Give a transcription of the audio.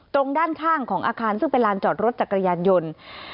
ตรงด้านข้างของอาคารซึ่งเป็นลานจอดรถจักรยานยนต์